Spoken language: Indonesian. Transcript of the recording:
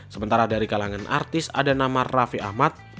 sementara dari kalangan artis ada nama raffi ahmad